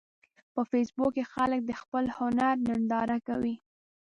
په فېسبوک کې خلک د خپل هنر ننداره کوي